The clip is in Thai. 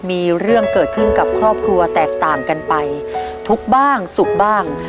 มีเรื่องเกิดขึ้นกับครอบครัวแตกต่างกันไปทุกข์บ้างสุขบ้าง